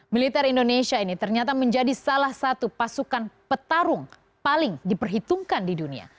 militer indonesia ini ternyata menjadi salah satu pasukan petarung paling diperhitungkan di dunia